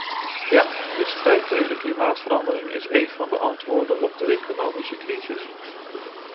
Ja, de strijd tegen klimaatverandering is een van de antwoorden op de economische crisis.